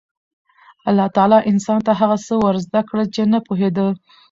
الله تعالی انسان ته هغه څه ور زده کړل چې نه پوهېده.